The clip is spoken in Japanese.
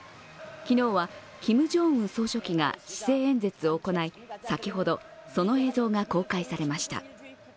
昨日はキム・ジョンウン総書記が施政演説を行い、先ほど、その映像が公開されました。